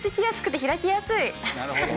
なるほど。